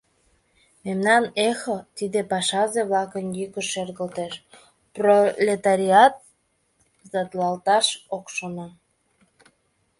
— Мемнан «Эхо» — тиде пашазе-влакын йӱкышт шергылтеш, пролетариат сдатлалташ ок шоно.